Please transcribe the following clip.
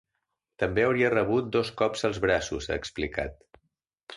També hauria rebut cops als braços, ha explicat.